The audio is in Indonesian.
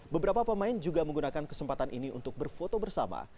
beberapa pemain juga menggunakan kesempatan ini untuk berfoto bersama